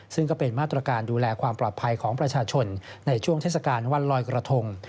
ซึ่งก็เป็นมาตรการดูแลความปลอดภัยของประชาชนในช่วงเทศกาลวันลอยกระทง